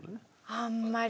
あんまり。